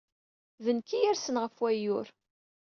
D nekk ay yersen ɣef wayyur.